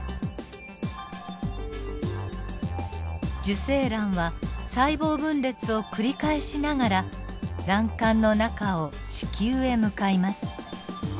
受精卵は細胞分裂を繰り返しながら卵管の中を子宮へ向かいます。